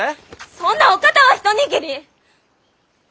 そんなお方は一握り！